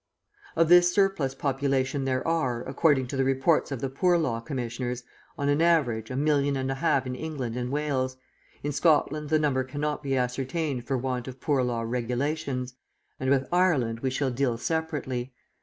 Of this surplus population there are, according to the reports of the Poor Law commissioners, on an average, a million and a half in England and Wales; in Scotland the number cannot be ascertained for want of Poor Law regulations, and with Ireland we shall deal separately.